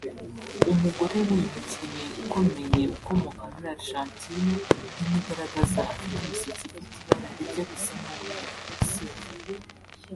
umugore w’uyu mukinnyi ukomeye ukomoka muri Argentine imugaragaza afite imisatsi ifite ibara rijya gusa n’umweru (silver)